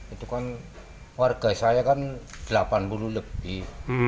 itu kan warga saya kan delapan puluh lebih